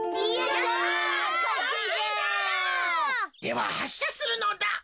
でははっしゃするのだ。